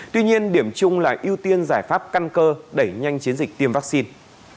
tuy nhiên điểm chung là ưu tiên giải pháp căn cơ đẩy nhanh chiến dịch tiêm vaccine